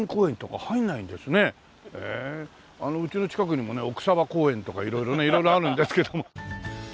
うちの近くにもね奥沢公園とか色々あるんですけども。